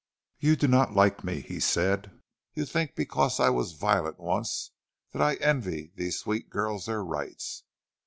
"You do not like me," he said. "You think because I was violent once that I envy these sweet girls their rights.